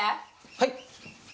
はい。